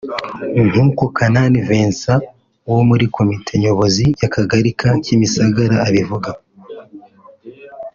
nk’uko Kanani Vincent wo muri komite nyobozi y’Akagari ka Kimisagara abivuga